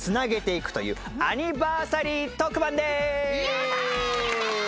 やったー！